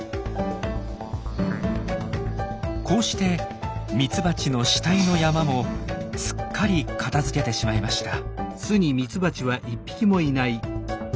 こうしてミツバチの死体の山もすっかり片づけてしまいました。